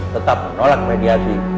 tetap menolak mediasi